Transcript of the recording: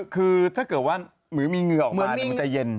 คือถ้าเกิดว่าเหมือนมีเหงื่อออกมามันจะเย็น